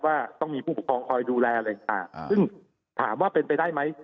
ว่าต้องมีผู้ปกครองคอยดูแลเลยค่ะซึ่งถามว่าเป็นไปได้ไหม